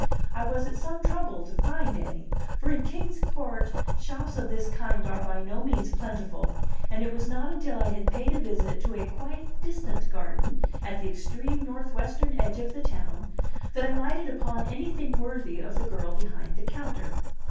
I was at some trouble to find any; for in Kings Port shops of this kind are by no means plentiful, and it was not until I had paid a visit to a quite distant garden at the extreme northwestern edge of the town that I lighted upon anything worthy of the girl behind the counter.